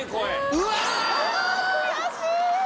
うわ悔しい！